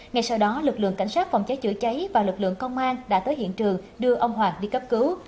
ngay sau đó lực lượng cảnh sát phòng cháy chữa cháy và lực lượng công an đã tới hiện trường đưa ông hoàng đi cấp cứu